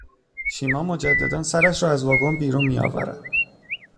شیما مجددا سرش را از واگن بیرون میآورد